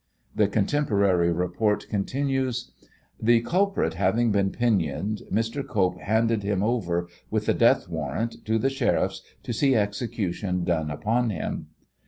The contemporary report continues: "The culprit having been pinioned, Mr. Cope handed him over, with the death warrant, to the sheriffs to see execution done upon him.